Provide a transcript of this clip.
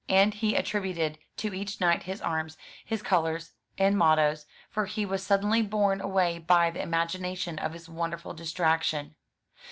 And he attributed to each knight his arms, his colours, and mottoes, for he was suddenly borne away by the imagination of his wonderful distraction.